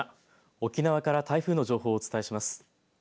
沖縄から台風の情報をお伝えします。